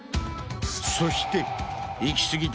そして。